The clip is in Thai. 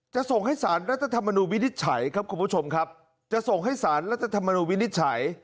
จะส่งให้สารรัฐธรรมนูลวินิจฉัยครับคุณผู้ชมครับจะส่งให้สารรัฐธรรมนุนวินิจฉัย